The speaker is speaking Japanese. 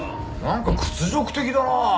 なんか屈辱的だな！